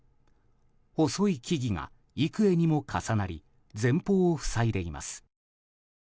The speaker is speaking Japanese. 細い木々が幾重にも重なり前方を塞いでいます。